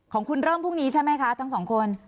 ของคุณเริ่มพรุ่งนี้ใช่ไหมคะทั้งสองคน